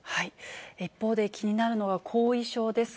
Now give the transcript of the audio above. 一方で気になるのは、後遺症です。